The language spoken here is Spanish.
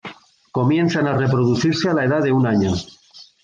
Comienzan a reproducirse a la edad de un año.